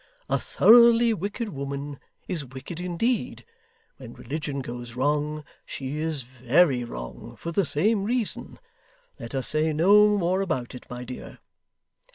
A thoroughly wicked woman, is wicked indeed. When religion goes wrong, she is very wrong, for the same reason. Let us say no more about it, my dear.